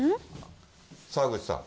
澤口さん。